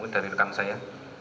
dari rekan saya ya